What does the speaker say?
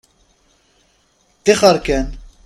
Ṭṭixer kan.